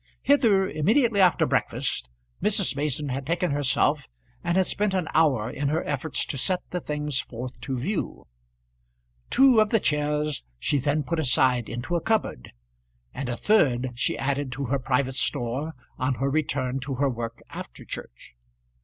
Hither immediately after breakfast Mrs. Mason had taken herself, and had spent an hour in her efforts to set the things forth to view. Two of the chairs she then put aside into a cupboard, and a third she added to her private store on her return to her work after church.